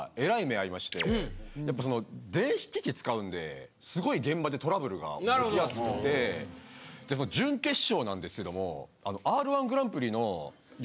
電子機器使うんですごい現場でトラブルが起きやすくて準決勝なんですけども。